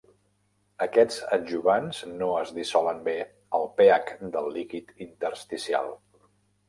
Aquests adjuvants no es dissolen bé al pH del líquid intersticial.